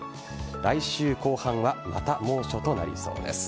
来週後半はまた猛暑となりそうです。